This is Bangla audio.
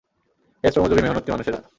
হে শ্রমজীবি মেহনতি মানুষেরা!